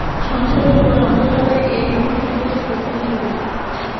সংসারে ঘোর অন্ধকারে এখন এই মহাপুরুষই জ্যোতিঃস্তম্ভস্বরূপ।